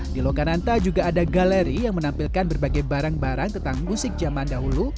di lokananta juga ada galeri yang menampilkan berbagai barang barang tentang musik zaman dahulu